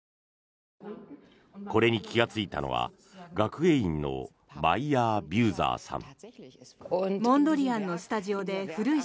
これに気がついたのは学芸員のマイヤービューザーさん。